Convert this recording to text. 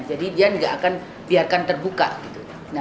dia nggak akan biarkan terbuka gitu